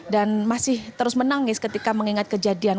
dan masih terus menangis ketika mengingat kejadian